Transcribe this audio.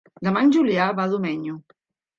Demà en Julià va a Domenyo.